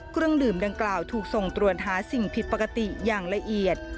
เครื่องดื่มดังกล่าวถูกส่งตรวจหาสิ่งผิดปกติอย่างละเอียด